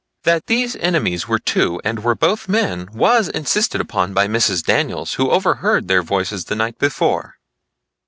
That these enemies were two and were both men, was insisted upon by Mrs. Daniels who overheard their voices the night before.